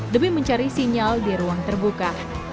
demi mencari sinyal di ruang terbuka